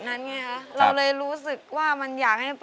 สักเวทีนึงที่รู้สึกร้องแล้วมันทรมานทรมาน